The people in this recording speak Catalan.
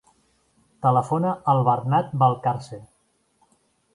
Telefona al Bernat Valcarce.